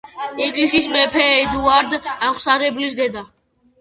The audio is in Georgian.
ინგლისის მეფე ედუარდ აღმსარებლის დედა.